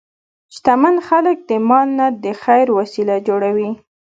شتمن خلک د مال نه د خیر وسیله جوړوي.